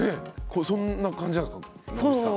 そんな感じなんですか野口さん。